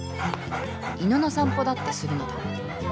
犬の散歩だってするのだ